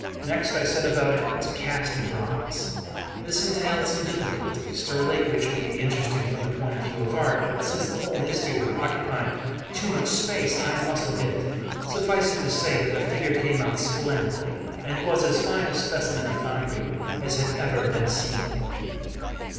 Next I set about to cast it in bronze. This entailed some difficulties, to relate which would be interesting from the point of view of art; but since the whole history would occupy too much space, I must omit it. Suffice it to say, that the figure came out splendidly, and was as fine a specimen of foundry as had ever been seen.